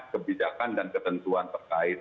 kebijakan dan ketentuan terkait